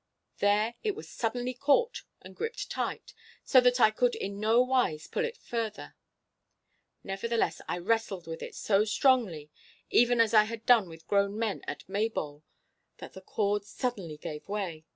There it was suddenly caught and gripped tight, so that I could in no wise pull it further. Nevertheless I wrestled with it so strongly, even as I had done with grown men at Maybole, that the cord suddenly gave way.